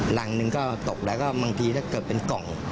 หลังนึงก็ตกแล้วก็บางทีถ้าเกิดเป็นกล่อง